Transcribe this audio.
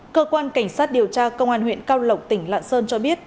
cơ quan cảnh sát điều tra công an huyện cao lộc tỉnh lạng sơn cho biết